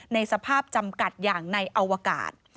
ในสภาพจำกัดอย่างในอวกาศ